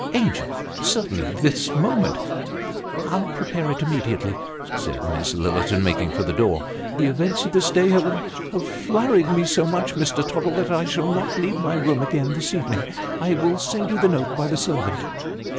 " Angel ! Certainly this moment !"" I'll prepare it immediately," said Miss Lillerton, making for the door ;" the events of this day have flurried me so much, Mr. Tottle, that I shall not leave my room again this evening ; I will send you the note by the servant."